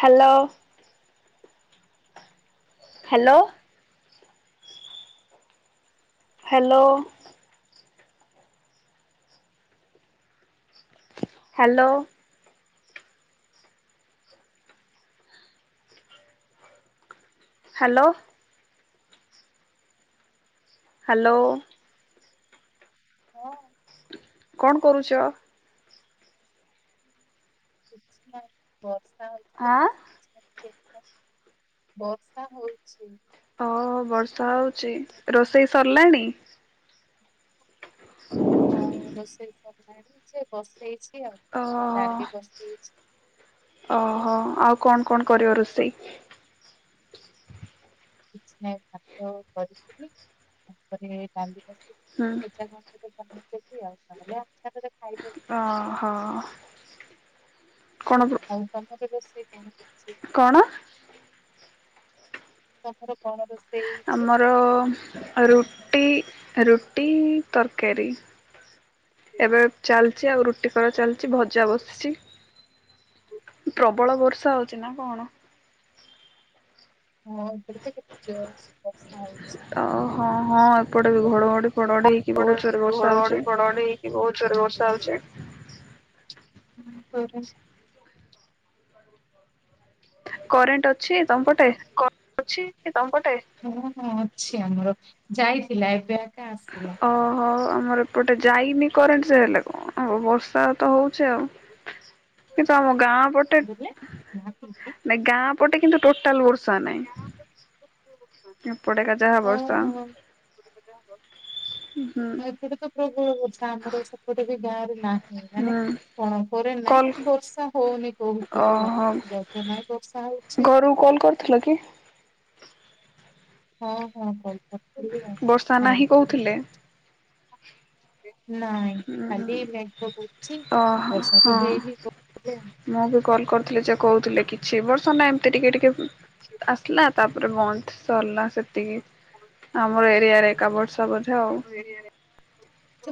Hello hello hello hello hello hello ହଁ କଣ କରୁଛ ନାଁ ବସ୍ ଆ ଏଇ ପା ବର୍ଷା ହଉଛି। ହ ବର୍ଷା ହଉଚି ରୋଷେଇ ସରିଲାଣି? [inaudible] ହଉ ରୋଷେଇ ସରିଲାଣି ଯେ ବସେଇଛି ଆଉ। ଓହ ଡାଲି ହ ବସେଇଛି ଅ ହ ଆଉ କଣ କଣ କରିବ ରୋଷେଇ? କିଛି ନାହିଁ ଭାତ କରିଥିଲି। ତାପରେ ଡାଲି ବସେଇଛି। ହୁଁ। ଭଜା [inaudible] ଖାଇଦବୁ ଓହୋ କଣ ଆଉ ତମର ରୋଷେଇ କଣ ହେଇଛି? କଣ? ତମର କଣ ରୋଷେଇ ହେଇଛି? ଆମର ରୁଟି ରୁଟି, ତରକାରୀ। ଏବେ ଚାଲିଛି ଆଉ ରୁଟି ଚାଲିଛି ଭଜା ବସିଛି। ପ୍ରବଳ ବର୍ଷା ହଉଛି ନା କଣ? ହଁ ଏ ପଟେ ଓ ହଁ ହଁ ଏପଟେ ବି ଘଡଘଡି ଫଡଘଡି ହେଇକି ବହୁତ ଜୋରେ ବର୍ଷା ହଉଛି। ଘଡଘଡି ଫଡଫଡି ହେଇକି ବହୁତ ଜୋର ବର୍ଷା ହଉଛି। [inaudible] କରେଣ୍ଟ ଅଛି? ତମପଟେ କଣ ଅଛି ହଁ ହଁ ଅଛି ଆମର ଯାଇଥିଲା ଏବେ ଆକା ଆସିଲା। ଓ ହୋ। ଆମର ଏପଟେ ଯାଇନି କରେଣ୍ଟ ସେ ହେଲେ କଣ? ଉ ବର୍ଷା ତ ହଉଚି ଆଉ। କିନ୍ତୁ ଆମ ଗାଁ ପଟେ ବୁଲେ ହଁ ନାଁଇ ଗାଁ ପଟେ କିନ୍ତୁ ଟୋଟାଲ ବର୍ଷ [unintelligible] ଏପଟେକା ଜାହା ବର୍ଷା। ହଁ। ହୁଁ। ଗାଁର ନାଁ ଏମାନେ କଣ କରେ ନାଇଁ କଲ କି କିନ୍ତୁ ବର୍ଷା ହଉନି କୋଉଠିବି ହେଲେ ଓହୋ ରଜ ନାଇଁ ବର୍ଷା ହଉଛି। ଥିଲ କି? ହଁ ହଁ ହଉ। ବର୍ଷା ନାହିଁ କହୁଥିଲେ। [unintelligible] ଖାଲି ମେଘ କରୁଛି ଉଁ ଓ ହୋ ବର୍ଷା ତ ହଁ ହେଇନି ବୋଧେ। ମୁଁ ବି କଲ୍ କରିୁଥିଲି। ଯେ କହୁଥିଲେ କିଛି ବର୍ଷ ନାଁ ଏମିତି ଟିକେ ଟିକେ ଆସିଲା ତାପରେ ବନ୍ଦ ସରିଲା ସେତିକି ଆମ ଆମ ଏରିଆରେ କାବୋର୍ଡସ୍ ତ ବୋଧେ ଆଉ।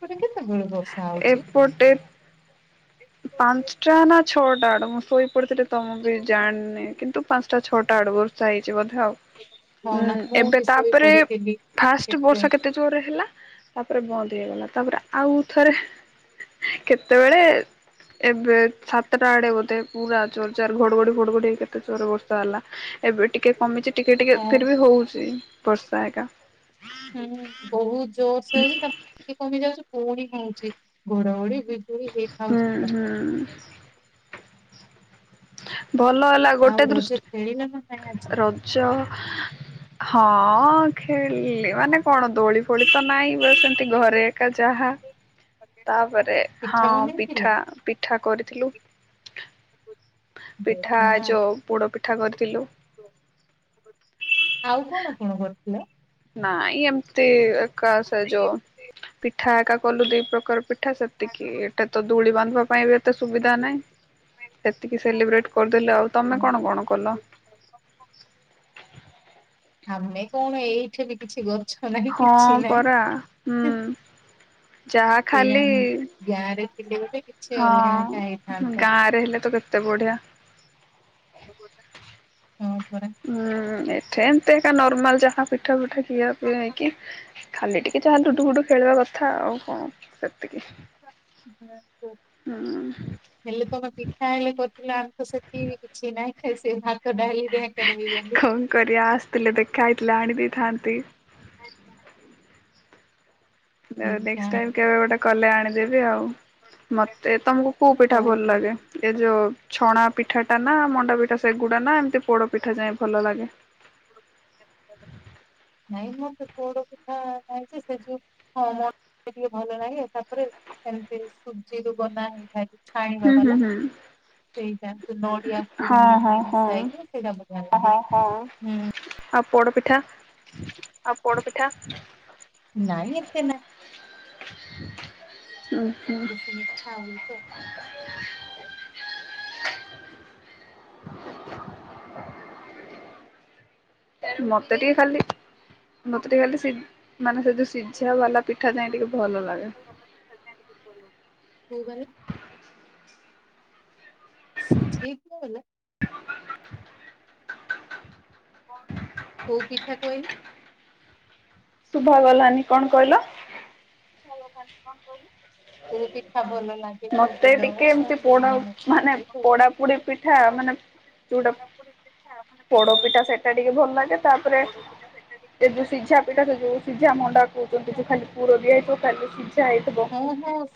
ଗୋଟେ କେତେବେଳେ? ବର୍ଷା ହଉଛି? ଏପଟେ ପାଞ୍ଚଟା ନା ଛଅଟା ଆଡ଼କୁ ମୁଁ ଶୋଇପଡିଥିଲି। ତ ମୁଁ ବି ଜାଣିନି କିନ୍ତୁ ପାଞ୍ଚଟା ଛଅଟା ଆଡୁ ବର୍ଷା ହେଇଛି ବୋଧେ ଆଉ। ହଁ ହୁଁ ନା ମୁଁ ଏବେ ବି ଶୋଇ ତାପରେ ପଡିଥିଲି ଫାଷ୍ଟ ବର୍ଷା କେତେ ଜୋରରେ ହେଲା? ତାପରେ ବନ୍ଦ ହେଇଗଲା ତାପରେ ଆଉ ଥରେ କେତେବେଳେ ଏବେ ସାତଟା ଆଡେ ବୋଧେ। ପୁରା ଜୋର ଜାର ଘଡଘଡି ହଁ। ଫଡଘଡି କେତେ ଜୋରରେ ବର୍ଷା ହେଲା ଏବେ ଟିକେ କମିଛି ଟିକେ ଟିକେ ଫିର ବି ହଉଛି ବର୍ଷା ହେକା। ହୁଁ ବହୁତ ଜୋର ସେ ହଉଛି ତାପରେ ଟିକେ କମି ଯାଉଛି ପୁଣି ହଉଛି ଘଡ ଘଡି ହୁଁ ହୁଁ। ହ [inaudible] ଭଲ ହେଲା ଗୋଟେ ଆଉ ରଜ ଖେଳିଲ ନା ନାଇଁ ଦୃଷ୍ଟି ଆଜି? ରଜ ହଁ ଖେଳିଲି ମାନେ କଣ ଦୋଳି ଫୋଳି ତ ନାଇଁ ସେମତି ଘରେ ଏକା ଯାହା ତାପରେ ହଁ ପିଠା ବନେଇଥିଲ? ପିଠା ପିଠା କରି ଥିଲୁ। ପିଠା ବଢିଆ। ଯୋଉ ପୋଡପିଠା ପିଠା କରିଥିଲୁ। ଆଉ କଣ କଣ କରୁଥିଲେ? ନା ଏ ଏମତି ଏକା ସେ ଯୋଉ ପିଠା ଏକା କଲୁ ଦି ପ୍ରକାର ପିଠା ସେତିକି ଏଟା ତ ଦୋଳି ବାନ୍ଧିବା ପାଇଁ ବି ଏତେ ସୁବିଧା ନାହିଁ ସେତିକି ସେଲିବ୍ରେଟ କରିଦେଲେୁ ଆଉ। ତମେ ହୁଁ। କଣ କଣ କଲ? ଆମେ କଣ ଏଇଠି ବି କିଛି ଗ ହଁ ପରା ହୁଁ ଯାହା ସେଇଆ ଖାଲି ହିଁ ଗାଁ ରେ ଥିଲେ ଗୋଟେ କିଛି ଅଲଗା ଏକା ହଁ ହେଇଥାନ୍ତା। ଗାଁରେ ହେଲେ ତ କେତେ ତେ ବଢ଼ିଆ। [inaudible] ହୁଁ ଏ ସେମତି ଏକା ନର୍ମାଲ ଯାହା ପିଠା ପିଠା ପିଆ ପିଆଇକି ଖାଲି ଟିକେ ଯାହା ଲୁଡୁ ଫୁଡ଼ୁ ଖେଳିବା କଥା ଆଉ କଣ ସେତିକି ହୁଁ। ହେଲେ ତମେ ପିଠା ହେଲେ କରିଥିଲ ଆମେ ତ ସେତିକି ବି କିଛି ନାହିଁ। ସେଇ ସେଇ ଭାତ ଡାଲିରେ ଏକା ରହିଗଲୁ। କଣ କରିବା ଆସିଥିଲେ ଦେଖା ହେଇଥିଲେ ଆଣିଦେ ଥାନ୍ତି। ନେକ୍ସଟ୍ ସେଇଟା ହିଁ ଟାଇମ କେବେ ଗୋଟେ କଲେ ଆଣିଦେବି ଆଉ। ମତେ ତମକୁ କୋଉ ପିଠା ହଉ ଭଲ ହଉ। ଲାଗେ ଏ ଯୋଉ ଛଣା ପିଠା ଟା ନା ମଣ୍ଡା ପିଠା ସେଗୁଡା ନା ଏମିତି ପୋଡ ପିଠା ଯାଇ ଭଲ ଲାଗେ। ନାଇଁ ମତେ ପୋଡ଼ ପିଠା ଖାଇଛି ସେ ଯୋଉ ହଁ ମତେ ଟିକେ ଭଲ ଲାଗେ ତାପରେ ସେମତି ସୁଜି ରୁ ବନା ହେଇଥାଏ ଛାଣିବା ହୁଁ ହୁଁ ବାଲା ହୁଁ ସେଇଟା ନଡିଆ କୋଉଠି ହଁ ଗୋଟେ ହଁ ହଁ ମିଶା ହେଇଥିବ ସେଇଟା ବଢିଆ ଲାଗେ, ହଁ ହଁ ହୁଁ। ପୋଡ଼ପିଠା ଆଉ ପୋଡପିଠା ନାଇଁ ଏତେ ନାହିଁ। [unintelligible] ହୁଁ ବେଶୀ ମିଠା ହୁଏ ତ ମତେ ଟିକେ ଖାଲି ମତେ ଟିକେ ଖାଲି ସେ ମାନେ ସେ ଯୋଉ ସିଝା ବାଲା ପିଠା ଯିଏ ଟିକେ ଭଲ ଲାଗେ। କୋଉ ବାଲା ସିଝେଇକି ହେଲେ କୋଉ ପିଠା କହିଲ? ଶୁଭା ଗଲାନି କଣ କହିଲ? କୋଉ ପିଠା ଭଲ ଲାଗେ ମତେ କହିଲ ଟିକେ ଏମତି ପୋଡ ଶୁଣିଲିନି ମୁଁ ଠିକ୍ ମାନେ ସେ ପୋଡାପୋଡି କହୁଚି। ପିଠା ମାନେ ଯୋଉଟା ପୋଡପିଠା ସେଟା ଟିକେ ଭଲ ଲାଗେ। ତାପରେ ସେ ଯୋଉ ସିଝା ପିଠା ସେ ଯୋଉ ସିଝା ମଣ୍ଡା କହୁଛନ୍ତି ଯୋଉ ଖାଲି ପୁର ଦିଆ ହେଇଥିବ ସିଝା ହେଇଥିବ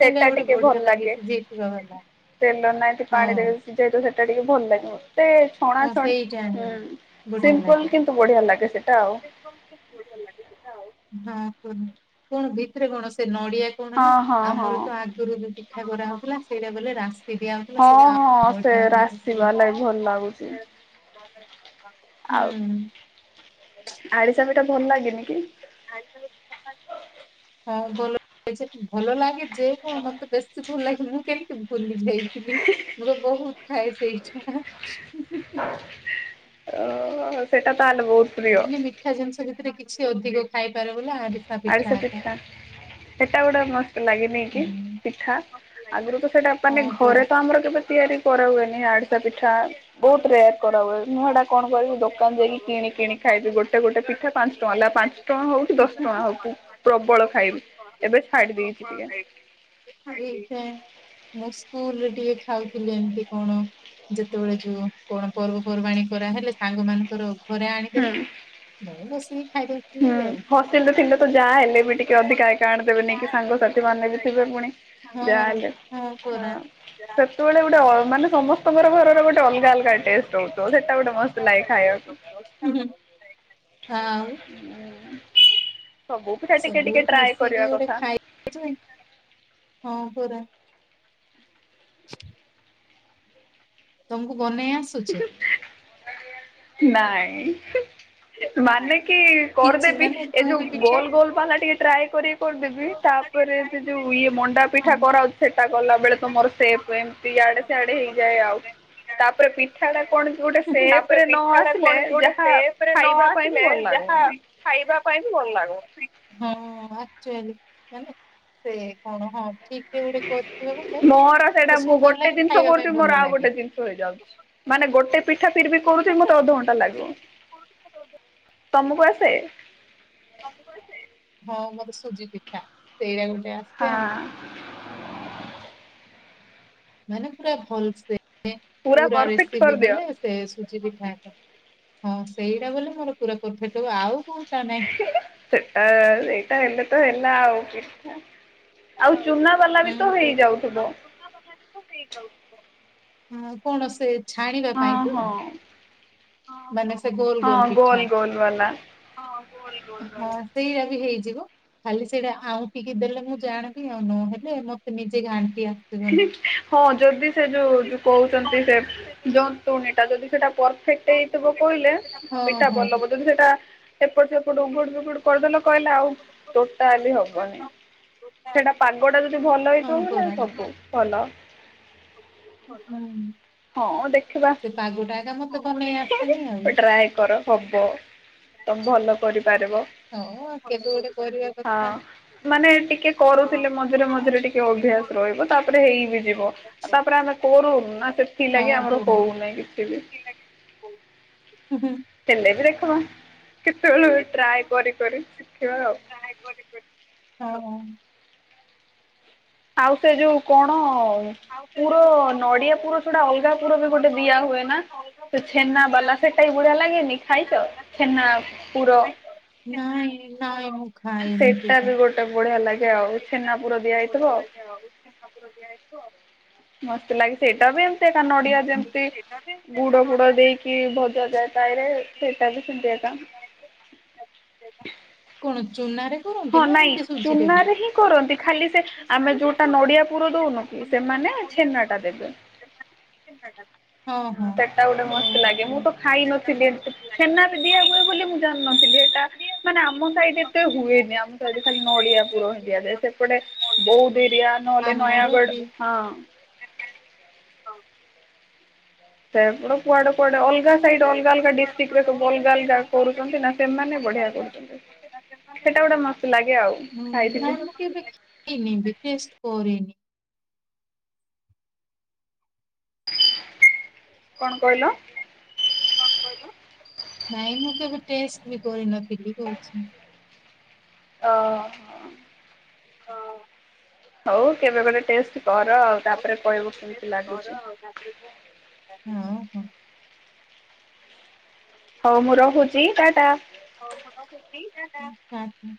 ସେଟା ଟିକେ ଭଲ ଲାଗେ। ସିଝେଇ ଥିବା ବାଲା। ଏମତି ହଁ ପାଣିରେ ସିଝା ହେଇଥିବ ସେ ଟିକେ ଭଲ ଲାଗିବ। ଏତେ ଛଣା ହଁ ଛଣା ସେଇଟା ହିଁ ହୁଁ ବଢିଆ ଲାଗେ। ସିମ୍ପଲ କିନ୍ତୁ ବଢିଆ ଲାଗେ ସେ। ହଁ। ହ କଣ ଭିତରେ କଣ ସେ ନଡିଆ କଣ ନା ହଁ ହଁ ହଁ ଆମର ତ ଆଗରୁ ଯୋଉ ପିଠା କରା ହଉଥିଲା ସେଇଟା ଗଲେ ରାସ୍ ହଁ ହଁ ସେ ରାଶି ବାଲା ଭଲ ଲାଗୁଛି। [unintelligible] ହୁଁ। ଆରିସା ପିଠା ଭଲ ଲାଗେନି କି? ହଁ ଭଲ ଭଲ ଲାଗେ। ଯେ କଣ ମତେ ବେଶୀ ଭଲ ଲାଗେ। ମୁଁ କେମିତି ଭୁଲି ଯାଇଥିଲି ମୁଁ ତ ବହୁତ ଖାଏ ସେଇଠା। ଓହୋ ସେଇଟା ତାହେଲେ ବହୁତ ପ୍ରିୟ ମାନେ ମିଠା ଜିନିଷ ଭିତରେ କି? କିଛି ଅଧିକ ଖାଇପାର ଆରିସା ପିଠା ସେଟା ଗୋଟେ ମସ୍ତ୍ ଲାଗନି କି ହୁଁ। ପିଠା। ଆଗରୁ ତ ସେଟା ମାନେ ହଁ ପରା। ଘରେ ତ ଆମର କେବେ ତିଆରି କରା ହୁଏନି ଆଡିସା ପିଠା ବହୁତ ରେୟାର କରା ହୁଏ। ମୁଁ ହେଟା କଣ କରିବି ଦୋକାନ ଯାଇକି କି କିଣି ଖାଇବି ଗୋଟେ ଗୋଟେ ପିଠା ପାଞ୍ଚ ଟଙ୍କା ହେଲା ପାଞ୍ଚ ଟଙ୍କା ହଉଛି ଦଶ ଟଙ୍କା ହଉ ପ୍ରବଳ ଖାଇବି ଏବେ ଛାଡି ଦେଇଚି ଟିକେ। ଏଇଟା ମୁଁ ସ୍କୁଲ ଟିକେ ଖାଉଥିଲି ଏମତି କଣ ଯେତେବେଳେ ଯୋଉ କଣ ପର୍ବପର୍ବାଣୀ କରାହେଲେ ସାଙ୍ଗ ମାନଙ୍କର ଘରେ ଆଣିଦେବେ ହୁଁ ନ ବସିକି ଖାଇବୁ। ହୁଁ ହସିଲ ରେ ଥିଲେ ତ ଯାହା ହେଲେ ବି ଟିକେ ଅଧିକା ଏକା ଆଣି ଦେବେନି କି ସାଙ୍ଗସାଥି ମାନେ ବି ଥିବେ ପୁଣି। ହଁ ଜାହେଲେ ହଁ ସେତୋବେଳେ ଗୋଟେ ଅ ମାନେ ସମସ୍ତଙ୍କର ହୁଁ, ଘରର ଗୋଟେ ଅଲଗା ଅଲଗା ଟେଷ୍ଟ ହଉଥିବ ସେଇଟା ଗୋଟେ ମସ୍ତ ଲାଗେ ଖାଇବାକୁ। ଉଁ ହୁଁ। ଆଉ। [inaudible] ସବୁ ପିଠା ଟିକେ ସବୁ ଟିକେ ଟ୍ରାଏ କରିବା ମିଶିକି ଗୋଟେ କଥା ଖାଇଯେ ହଁ ପରା। [inaudible] ତମକୁ ବନେଇ ଆସୁଛି? ନାଇଁ। ମାନେ କି କିଛି କରିଦେବି ମାନେ ଏ କୋଉ ବି ଯୋଉ ପିଠା? ଗୋଲ ଗୋଲ ପାଲା ଟିକେ ଟ୍ରାଏ କରି କରିଦେବି। ତାପରେ ସେ ଯୋଉ ଇଏ ମଣ୍ଡା ପିଠା ହୁଁ। କରାହଉଛି ସେଟା କଲା ବେଳେ ତମର ସେବ ୱେମ ଏମିତି ୟାଡେ ସ୍ୟାଆଡେ ହେଇଯାଏ ଆଉ। ତାପରେ ପି ତାପରେ ପିଠାଟା କୌଣସି ଗୋଟେ ଯାହା ସେପରେ ନ ଖାଇବା ପାଇଁ ବି ଆସିଲେ ଭଲ ଯାହା ଲାଗୁନି ଖାଇବା ପାଇଁ ଭଲ। ହଁ। ଚେଇ ମାନେ ସେ କଣ ହଁ। ଠିକରେ ଗୋଟେ କରିଥିବେ ବୋଲେ ମୋର ସେଇଟା ମୁଁ ସୁନ୍ଦର ଗୋଟେ ଲାଗେ ଜିନିଷ ଖାଇବା ପାଇଁ କରୁଛି ମୋର ଭଲ ଆଉ ଲାଗେ। ଗୋଟେ ଜିନିଷ ହେଇଯାଉଛି ମାନେ ଗୋଟେ ଠା ଫିର ବିି କରୁଥିବି ମତେ ଅଧଘଣ୍ଟା ଲାଗବ ତମକୁ ଆସେ। ହଁ ମତେ ସୁଜି ପିଠା ସେଇଟା ଆସେ ଆଉ ହଁ। ମାନେ ପୁରା ଭଲ ସେ। ପୁରା ପରଫେକ୍ଟ ରେସିପି କରିଦିଅ ଗଲେ ସେ ସୁଜି ପିଠା ହଁ ସେଇଟା ବଲି ମୋର ପୁରା ପରଫେକ୍ଟ ହବ ଆଉ କଣ? ସେ ଅ ସେଇଟା ଏଲ ତ ଏଲା ହି ଆଉ ଚୁନା ବାଲା ବି ତ ହେଇଯାଉଥିବ। ହଁ କଣ ସେ ଛାଣିବା ପାଇଁ ହଁ ତ ହଁ ମାନ ହଁ ଗୋଲ ଗୋଲ ବାଲା ହଁ ସେଇଟା ବି ହେଇଯିବ ଖାଲି ସେଇଟା ଆଉ ଟିକେ ଦେଲେ ମୁଁ ଜାଣବି ଆଉ ନ ହେଲେ ମତେ ନିଜେ ଘାଣ୍ଟିଆ [unintelligible] ଯଦି ସେ ଯୋଉ ଯୋଉ କହୁଛନ୍ତି ସେ ଯନ୍ତୁଣୀ ଟା ଯଦି ସେଇଟା ପରଫେକ୍ଟ ହେଇଥିବ କହିଲେ ହଁ ପିଠା ହଁ ଭଲ ହବ ଯଦି ସେଇଟା ଏପଟ ସେପଟ ଙ୍ଗୁ କରଦ କହିଲେ ଆଉ ଟୋଟାଲି ହବନି ସେଟା ପାଗଟା ଯଦି ଭଲ ହଁ ହେଇଥିବ ନା ପରା ସବୁ ଫଲ ହ ହୁଁ। ହଁ ଦେଖିବା ସେ ପାଗଟା ଏକା ମତେ ବନେଇ ଆସେନି ଆଉ। ଟ୍ରାଏ କର ହବ ତମେ ଭଲ କରିପାରିବ। ହଁ କେବେ ଗୋଟେ କରିବା ହଁ କଥା ମାନେ ଟିକେ କରୁଥିଲେ ମଝିରେ ମଝିରେ ଟିକେ ଅଭ୍ୟାସ ରହିବ ତାପରେ ହେଇ ବିି ଯିବ ତାପରେ ଆମେ କର ନା ସେ ଥିଲାଗି ହଁ ଆମର ପରା ହୁଁ ହଉନାହିଁ କିଛି ବି ହୁଁ ଥେଲେ ବି ରଖମା [inaudible] ଆଉ ହଁ। ଆଉ ସେ ଯୋଉ କଣ? ପୁର ନଡିଆ ପୁର ଛଟା ଅଲଗା ପୁର ବି ଗୋଟେ ଦିଆ ହୁଏ ନା ସେ ଛେନା ବାଲା ସେଟା ବି ବଢିଆ ଲାଗେନି ଖାଇଛ ଛେନା ପୁର ନାଇଁ ନାଇଁ ମୁଁ ଖାଇନି ସେଇଟା ବି ଗୋଟେ ବଳିଆ ଆଲଗା ଆଉ ଛେନା ପୁର ଦିଆ ହେଇଥିବ। ଆଉ ମସ୍ତ ଲାଗେ ସେଇଟା ବି ଏମିତି ଏକା ନଡିଆ ଯେମିତି ଗୁଡ ଫୁଡ ଦେଇକି ଭଜା ଯାଏ ତାରେ ସେଇଟା ବି ସେମତି ଏକା ଚୁନା ରେ କରନ୍ତି ହଁ ନା ନାଇଁ ଏମିତି ସୁଜିରେ ବି? ଚୁନାରେ ହିଁ କରନ୍ତି ଖାଲି ସେ ଆମେ ଯୋଉଟା ନଡିଆ ପୁର ଦଉନୁ କି ସେମାନେ ଛେନା ଟା ଦେବେ। [inaudible] ହଁ। ସେଟା ଗୋଟେ ମସ୍ତ ଲାଗେ ଓହୋ ମୁଁ ତ ଖାଇନଥିଲି ଏ ଛେନା ବି ଦିଆ ହୁଏ ବୋଲି ମୁଁ ଜାଣିନଥିଲି ସେଟା ମାନେ ଆମ ସାଇଡ ଏତେ ହୁଏନି ଆମ ସାଇଡ ଖାଲି ନଡିଆ ପୁର ହଁ ଦିଆଯାଏ ସେପଟେ ବୌଦ୍ଧ ଏରିଆ ନହେଲେ ଆମର ନୟାଗଡ ବି ହଁ। ସେଗୁଡା କୁଆଡେ କୁଆଡେ ଅଲଗ ହଁ ଅଲଗା କରୁଛନ୍ତି ନା ମୁଁ ସେମାନେ ବଢ଼ିଆ କରୁଛନ୍ତି କେବେ ସେଇଟା ଗୋଟେ ମସ୍ତ ଲାଗେ ଆଉ କରିନି ଖାଇଥିଲି ରିକୁଏଷ୍ଟ କରିନି। କଣ କହିଲ? କଣ କହିଲ। ନାଇଁ ମୁଁ କେବେ ଟେଷ୍ଟ ବି କରିନଥିଲି କହୁଛି। ଓ ହୋ। ହଉ କେବେ ଗୋଟେ ଟେଷ୍ଟ କର ଆଉ ତାପରେ କହିବକୁ କେମତି ଲାଗୁଛି। ହଁ ହଉ ମୁଁ ରହୁଛି ଟା ଟା। ହୋଉ ମୁଁ ରହୁଛି। ଟା ଟା। ଓ ହୋ।